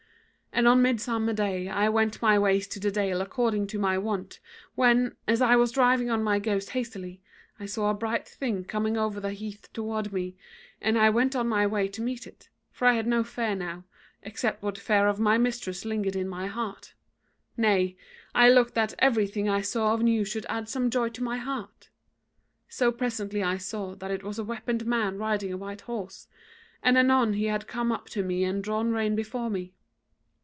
And on Midsummer Day I went my ways to the dale according to my wont, when, as I as driving on my goats hastily I saw a bright thing coming over the heath toward me, and I went on my way to meet it, for I had no fear now, except what fear of my mistress lingered in my heart; nay, I looked that everything I saw of new should add some joy to my heart. So presently I saw that it was a weaponed man riding a white horse, and anon he had come up to me and drawn rein before me.